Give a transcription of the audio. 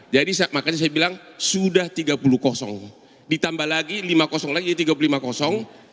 jadi makanya saya bilang sudah tiga puluh kosong ditambah lagi lima kosong lagi jadi tiga puluh lima kosong